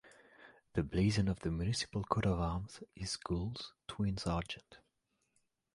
The blazon of the municipal coat of arms is Gules, Twins Argent.